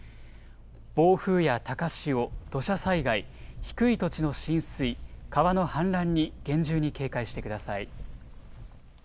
暴風や高潮、土砂災害、低い土地の浸水、川の氾濫に厳重に警戒してください。